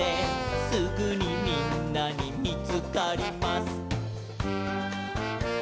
「すぐにみんなにみつかります」